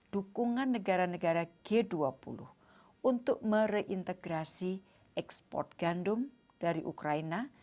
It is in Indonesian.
dukungan negara negara g dua puluh untuk mereintegrasi ekspor gandum dari ukraina